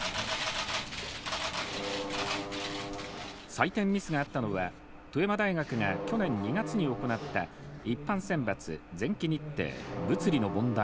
採点ミスがあったのは、富山大学が去年２月に行った一般選抜前期日程物理の問題